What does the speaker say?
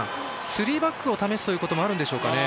スリーバックを試すということもあるんですかね。